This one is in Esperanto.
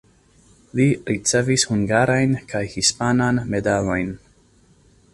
Li ricevis hungarajn kaj hispanan medalojn.